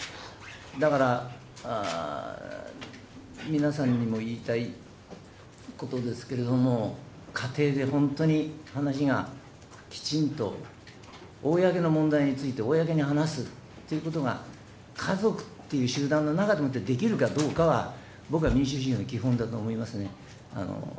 だから、皆さんにも言いたいことですけれども、家庭で本当に話がきちんと公の問題について、公に話すっていうことが、家族っていう集団の中でもってできるかどうかは、僕は民主主義の基本だと思いますね。